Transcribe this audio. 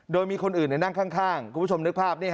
โดยมีคนอื่นนั่งข้างคุณผู้ชมนึกภาพ